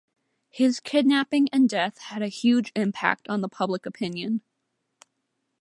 His kidnapping and death had a huge impact on the public opinion.